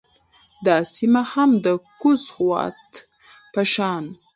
دا سیمه هم د کوز خوات په شان